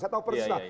saya tahu persis lah